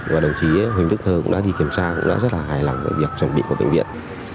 và đồng chí huỳnh đức thơ cũng đã đi kiểm tra cũng đã rất là hài lòng với việc chuẩn bị của bệnh viện